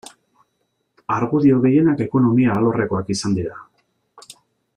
Argudio gehienak ekonomia alorrekoak izan dira.